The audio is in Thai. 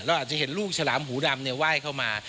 เราอาจจะเห็นลูกฉลามหูดำเนี่ยว่ายเข้ามา